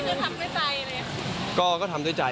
อันนี้คือทำด้วยใจเลย